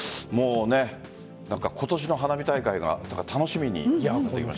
今年の花火大会楽しみになってきました。